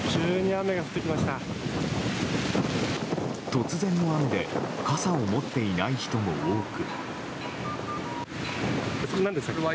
突然の雨で傘を持っていない人も多く。